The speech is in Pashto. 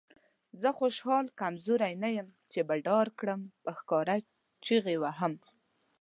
زه خوشحال کمزوری نه یم چې به ډار کړم. په ښکاره چیغې وهم.